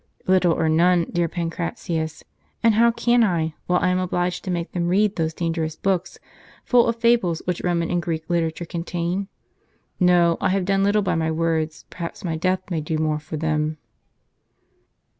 "" Little or none, dear Pancratius. And how can I, while I am obliged to make them read those dangerous books, full of fables, which Roman and Greek literature contain? No, I have done little by my words ; perhaps my death may do more for them."